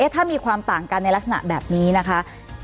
ถ้ามีความต่างกันในลักษณะแบบนี้นะคะ